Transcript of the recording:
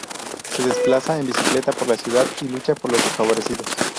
Se desplazaba en bicicleta por la ciudad y luchaba por los desfavorecidos.